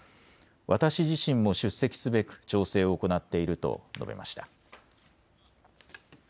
私自身も出席すべく調整を行っていると述べました。